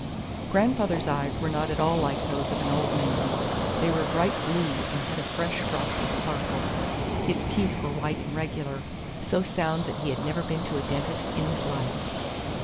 Grandfather's eyes were not at all like those of an old man; they were bright blue, and had a fresh, frosty sparkle. His teeth were white and regular—so sound that he had never been to a dentist in his life.